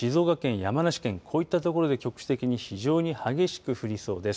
山梨県こういった所で局地的に非常に激しく降りそうです。